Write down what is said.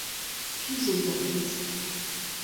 Piv a zeuy d'ar fest ?